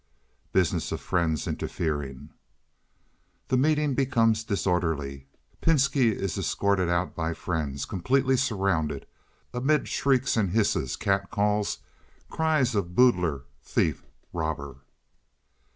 (Business of friends interfering). The meeting becomes disorderly. Pinski is escorted out by friends—completely surrounded—amid shrieks and hisses, cat calls, cries of "Boodler!" "Thief!" "Robber!"